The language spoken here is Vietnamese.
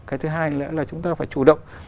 cái thứ hai nữa là chúng ta phải chủ động